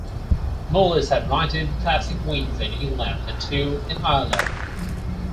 Murless had nineteen classic wins in England and two in Ireland.